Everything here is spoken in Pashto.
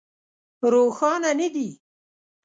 روښانه نه دي.